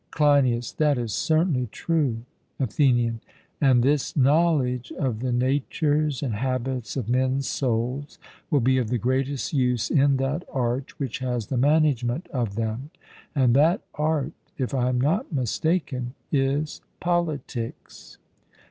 CLEINIAS: That is certainly true. ATHENIAN: And this knowledge of the natures and habits of men's souls will be of the greatest use in that art which has the management of them; and that art, if I am not mistaken, is politics.